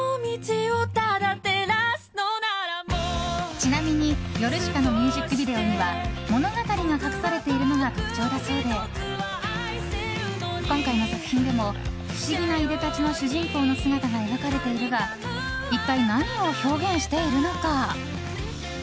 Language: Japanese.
ちなみにヨルシカのミュージックビデオには物語が隠されているのが特徴だそうで今回の作品でも不思議ないでたちの主人公の姿が描かれているが一体、何を表現しているのか。